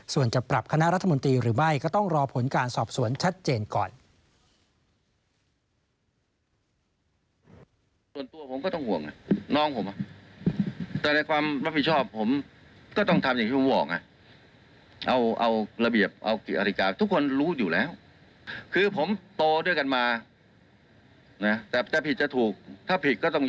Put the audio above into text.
ส่วนจะปรับคณะรัฐมนตรีหรือไม่ก็ต้องรอผลการสอบสวนชัดเจนก่อน